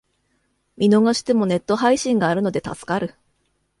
見逃してもネット配信があるので助かる